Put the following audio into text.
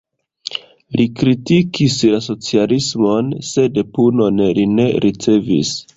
Li kritikis la socialismon, sed punon li ne ricevis.